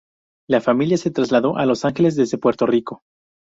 La familia se trasladó a Los Ángeles desde Puerto Rico.